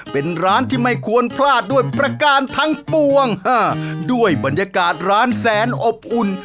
เป็นร้านที่ไม่ควรพลาดด้วยประการทั้งปวงด้วยบรรยากาศร้านแสนอบอุ่น